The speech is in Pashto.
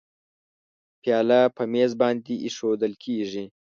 پیاله په میز باندې اېښوول کېږي.